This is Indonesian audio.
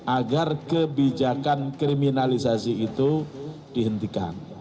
agar kebijakan kriminalisasi itu dihentikan